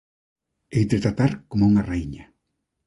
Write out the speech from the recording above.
Heite tratar como a unha raíña.